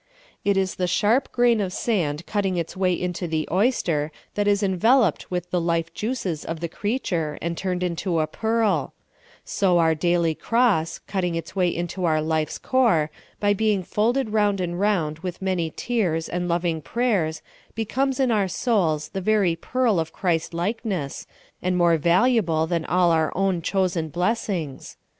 It is the sharp grain of sand cutting its way into the oyster that is enveloped with the life juices of the creature and turned into a pearl ; so our daily cross, cutting its way into our life's core by being folded round and round with many tears and loving prayers, becomes in our souls the very pearl of Christ likeness, and more valuable than all our own chosen blessings.